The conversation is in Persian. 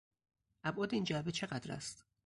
ابعاد این جعبه چقدر است؟